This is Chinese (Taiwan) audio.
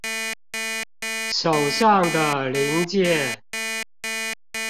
手上的零件